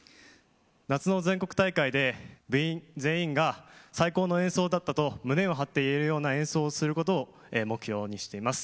夏の全国大会で部員全員が最高の演奏だったと胸を張って言えるような演奏をすることを目標にしています。